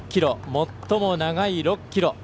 最も長い６ｋｍ。